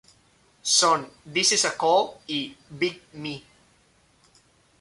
Son "This Is A Call" y "Big Me".